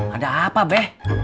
ada apa beh